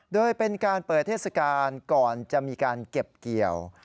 โดยเป็นการเปิดเทศกาลก่อนจะมีการเก็บเกี่ยว